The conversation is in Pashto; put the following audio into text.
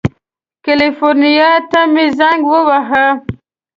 کلیفورنیا ته مې زنګ ووهه.